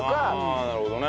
ああなるほどね。